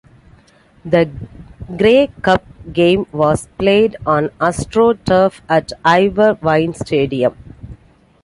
The Grey Cup game was played on astroturf at Ivor Wynne Stadium.